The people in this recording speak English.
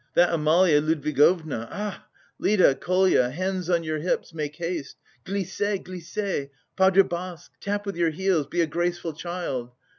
"That Amalia Ludwigovna, ah! Lida, Kolya, hands on your hips, make haste! Glissez, glissez! pas de basque! Tap with your heels, be a graceful child!